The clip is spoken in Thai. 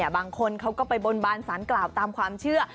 บางคนเขาก็ไปบนบานสารกล่าวตามความเชื่อ